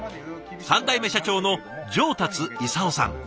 ３代目社長の上達功さん。